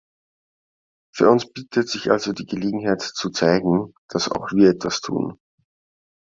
Für uns bietet sich also die Gelegenheit zu zeigen, dass auch wir etwas tun.